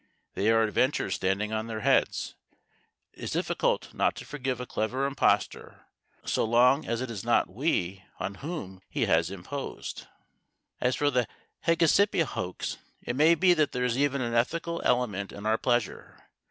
They are adventures standing on their heads. It is difficult not to forgive a clever impostor so long as it is not we on whom he has imposed. As for the Hégésippe hoax, it may be that there is even an ethical element in our pleasure.